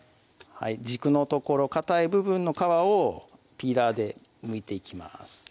軸の所かたい部分の皮をピーラーでむいていきます